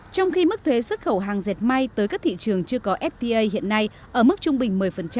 trong khi mức thuế xuất khẩu hàng dệt may tới các thị trường chưa có fta hiện nay ở mức trung bình một mươi